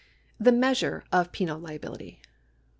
The Measure of Penal Liability.